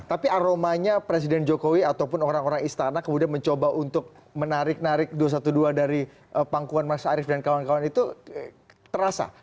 tapi aromanya presiden jokowi ataupun orang orang istana kemudian mencoba untuk menarik narik dua ratus dua belas dari pangkuan mas arief dan kawan kawan itu terasa